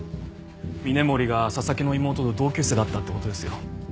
峰森が紗崎の妹と同級生だったってことですよ。